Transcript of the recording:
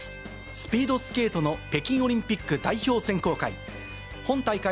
スピードスケートの北京オリンピック代表選考会。